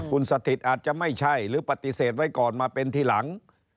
คุณสถิตอาจจะไม่ใช่หรือปฏิเสธไว้ก่อนมาเป็นทีหลัง